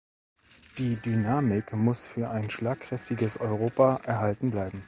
Die Dynamik muss für ein schlagkräftiges Europa erhalten bleiben.